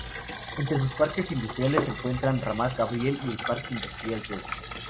Entre sus parques industriales se encuentran: Ramat Gabriel, y el parque industrial Sur.